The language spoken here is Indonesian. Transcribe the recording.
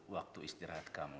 waktu istirahat kamu lop